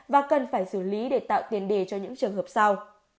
và lý để tạo tiền đề cho những trường hợp sau